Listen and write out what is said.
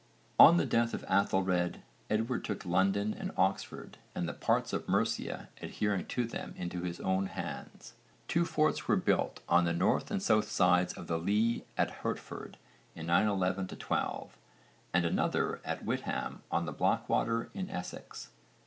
On the death of Aethelred, Edward took London and Oxford and the parts of Mercia adhering to them into his own hands. Two forts were built on the north and south sides of the Lea at Hertford in 911 12, and another at Witham on the Blackwater in Essex.